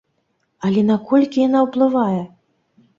Але наколькі яна ўплывае?